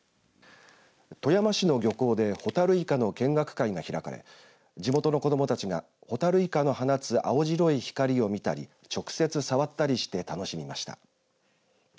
富山市の漁港でほたるいかの見学会が開かれ地元の子どもたちがほたるいかの放つ青白い光を見たり直接触ったりして楽しみました。